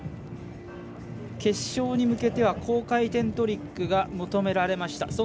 決勝に向けては高回転トリックが求められました。